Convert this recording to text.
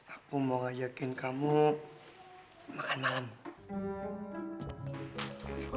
aku mau ngajakin kamu makan malam